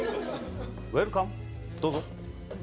ウエルカムどうぞ。